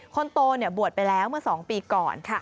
คนโตบวชไปแล้วเมื่อ๒ปีก่อน